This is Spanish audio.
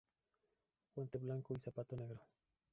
Guante blanco y zapato negro.